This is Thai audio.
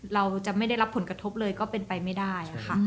เราจะไม่ได้รับผลกระทบเลยก็เป็นไปไม่ได้ค่ะ